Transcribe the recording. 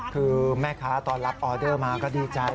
คือแม่ค้าตอนรับออเดอร์มาก็ดีใจ